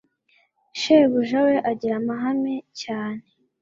Shebuja we agira amahane cyane